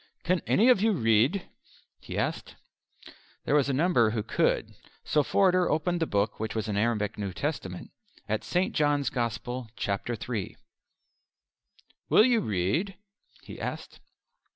"Can any of you read?" he asked. There were a number who could; so Forder opened the book which was an Arabic New Testament at St. John's Gospel, Chapter III. "Will you read?" he asked.